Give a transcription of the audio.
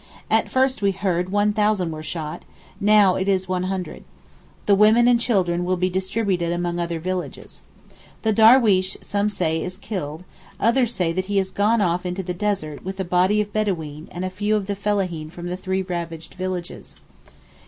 At first we heard one thousand were shot, now it is one hundred. The women and children will be distributed among other villages. The darweesh some say is killed, others that he is gone off into the desert with a body of bedaween and a few of the fellaheen from the three ravaged villages.